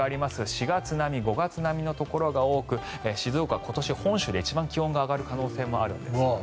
４月並み５月並みのところが多く静岡、今年、本州で一番気温が上がる可能性があるんですね。